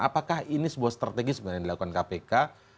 apakah ini sebuah strategi sebenarnya yang dilakukan kpk